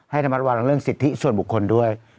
ระมัดระวังเรื่องสิทธิส่วนบุคคลด้วย